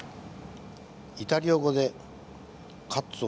イタリア語で「カッツオ」